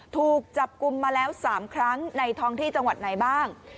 ถูกจับกลุ่มมาแล้ว๓ครั้งในท้องที่จังหวัดไหนบ้าง